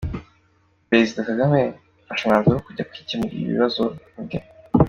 Perezida Kagame yafashe umwanzuro wo kujya kwikemurira ibi bibazo ubwe.